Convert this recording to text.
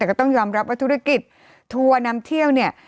ก็ต้องยอมรับว่าธุรกิจทัวร์นำเที่ยวเนี่ย